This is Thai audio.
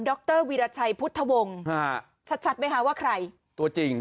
รวีรชัยพุทธวงศ์ฮะชัดชัดไหมคะว่าใครตัวจริง